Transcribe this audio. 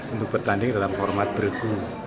untuk bertanding dalam format bergu